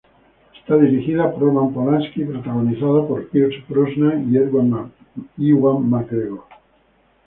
Está dirigida por Roman Polanski y protagonizada por Pierce Brosnan y Ewan McGregor.